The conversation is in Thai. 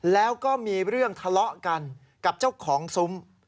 แล้วก็มีเรื่องทะเลาะกันกับเจ้าของซุ้ม